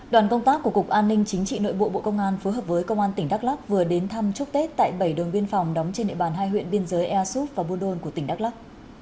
đoàn công tác của cục an ninh chính trị nội bộ bộ công an phối hợp với công an tỉnh đắk lắc vừa đến thăm chúc tết tại bảy đường biên phòng đóng trên địa bàn hai huyện biên giới ea súp và buôn đôn của tỉnh đắk lắc